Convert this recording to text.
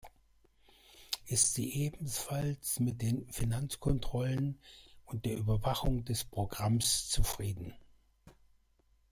Ist sie ebenfalls mit den Finanzkontrollen und der Überwachung des Programms zufrieden?